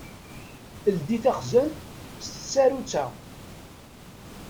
Ldi taxzant s tsarut-a.